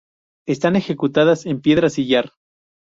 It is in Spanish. Están ejecutadas en piedra sillar.